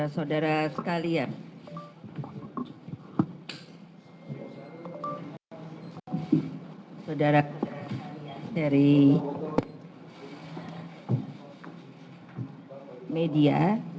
saudara saudara dari media